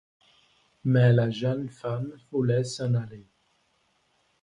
Mais la jeune femme voulait s'en aller.